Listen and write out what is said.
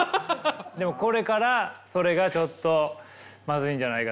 でもこれからそれがちょっとまずいんじゃないかと。